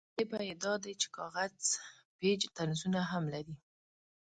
جالبه یې دا دی چې کاغذ پیچ طنزونه هم لري.